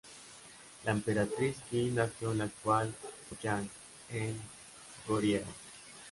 La emperatriz Qi nació en la actual Goyang, en Goryeo.